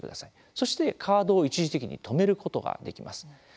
そして、カードを一時的に止めることができます。